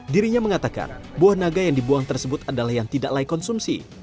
dirinya mengatakan buah naga yang dibuang tersebut adalah yang tidak layak konsumsi